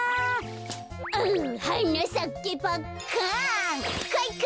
「うはなさけパッカン」かいか！